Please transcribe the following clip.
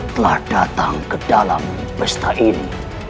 telah datang ke dalam pesta ini